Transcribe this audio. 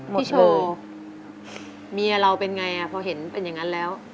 โชว์เมียเราเป็นไงพอเห็นเป็นอย่างนั้นแล้ว